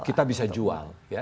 kita bisa jual